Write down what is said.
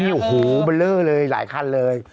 แบบนั้นหูเบิร์รเล่อเลยหลายคันเลย